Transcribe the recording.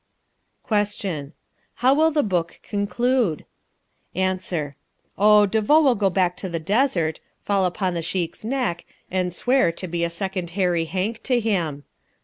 Question. How will the book conclude? Answer. Oh, De Vaux will go back to the desert, fall upon the Sheik's neck, and swear to be a second Hairy Hank to him.